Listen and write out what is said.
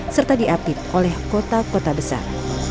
serta diapit oleh kota kota besar